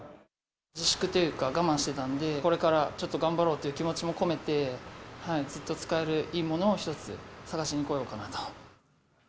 自粛というか、我慢してたんで、これからちょっと頑張ろうという気持ちも込めて、ずっと使えるいいものを１つ探しに来ようかなと。